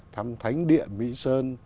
thăm thánh địa mỹ sơn